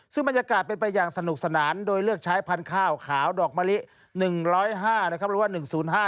ซึ่งบรรยากาศเป็นไปอย่างสนุกสนานโดยเลือกใช้พันธุ์ข้าวขาวดอกมะลิ๑๐๕นะครับหรือว่า๑๐๕